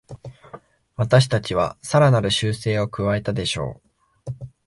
私たちはさらなる修正を加えたでしょう